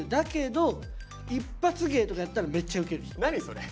それ。